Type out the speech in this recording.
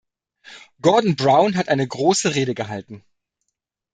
Gordon Brown hat eine große Rede gehalten.